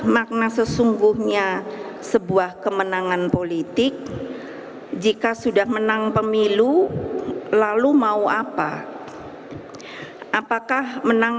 makna sesungguhnya sebuah kemenangan politik jika sudah menang pemilu lalu mau apa hai apakah menang